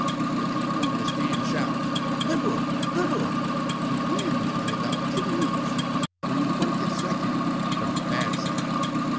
The people in the stand shout: "Liberal! Liberal!" It wins by about ten lengths. Green Cloak is second, but a bad second.